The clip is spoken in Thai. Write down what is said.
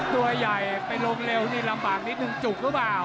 ตัวใหญ่ไปลงเร็วนี่ลำบากนิดนึงจุกหรือเปล่า